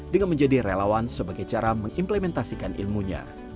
dengan menjadi relawan sebagai cara mengimplementasikan ilmunya